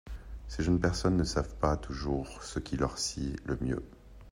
Ces jeunes personnes ne savent pas toujours ce qui leur sied le mieux.